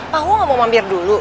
pak wo nggak mau mampir dulu